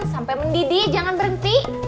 sampai mendidih jangan berhenti